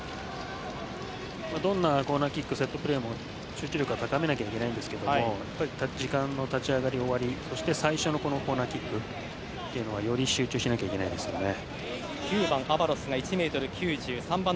どんなコーナーキックセットプレーも集中力は高めないといけないんですけども立ち上がり、終わりそして最初のコーナーキックはより集中しなきゃいけないですね。